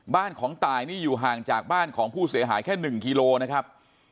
บ้านของตายนี่อยู่ห่างจากบ้านของผู้เสียหายแค่๑กิโลนะครับ